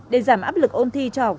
để giảm áp lực ôn thi cho học sinh